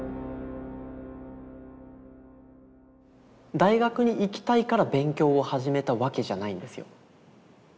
大学に行きたいから勉強を始めたわけじゃないんですよ。